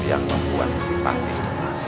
yang membuat ustik panti gemes